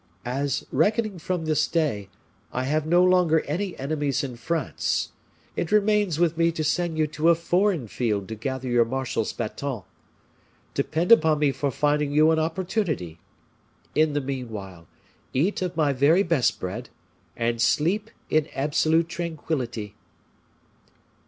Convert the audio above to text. "As, reckoning from this day, I have no longer any enemies in France, it remains with me to send you to a foreign field to gather your marshal's baton. Depend upon me for finding you an opportunity. In the meanwhile, eat of my very best bread, and sleep in absolute tranquillity."